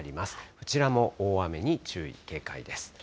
こちらも大雨に注意、警戒です。